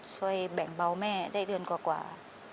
ช่วยแบ่งเบาแม่ได้เดือนกว่า